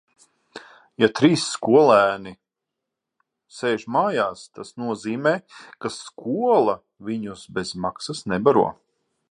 Ja trīs skolēni sēž mājās, tas nozīmē, ka skola viņus bez maksas nebaro...